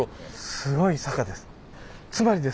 すごい坂です。